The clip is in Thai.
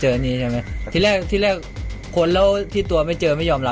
เพราะพี่มันคอยสั่งให้มา